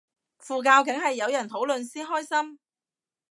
傳教梗係有人討論先開心